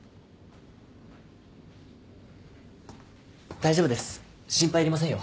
大丈夫です心配いりませんよ。